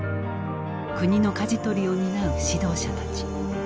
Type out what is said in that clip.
国のかじ取りを担う指導者たち。